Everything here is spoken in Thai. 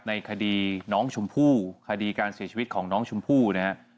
ในคดีน้องชมพู่คดีการเสียชีวิตของน้องชมพู่นะฮะ